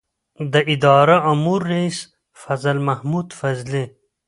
د اداره امور رئیس فضل محمود فضلي